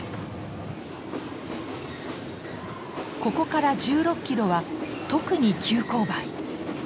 ここから１６キロは特に急勾配。